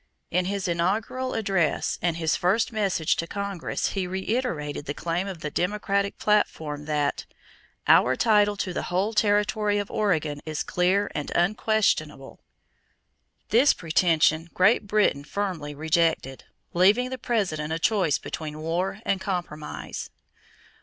In his inaugural address and his first message to Congress he reiterated the claim of the Democratic platform that "our title to the whole territory of Oregon is clear and unquestionable." This pretension Great Britain firmly rejected, leaving the President a choice between war and compromise.